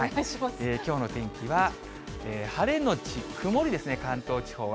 きょうの天気は、晴れ後曇りですね、関東地方は。